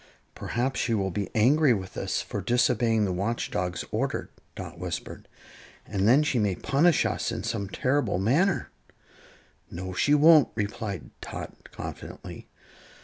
"Perhaps she will be angry with us for disobeying the Watch Dog's orders," Dot whispered; "and then she may punish us in some terrible manner." "No, she won't," replied Tot, confidently.